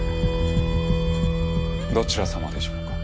どちら様でしょうか？